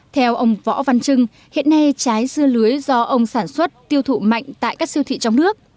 theo ông võ văn trưng hiện nay trái dưa lưới do ông sản xuất tiêu thụ mạnh tại các siêu thị trong nước